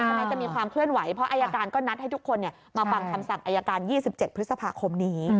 แม้จะมีความเคลื่อนไหวเพราะอายการก็นัดให้ทุกคนมาฟังคำสั่งอายการ๒๗พฤษภาคมนี้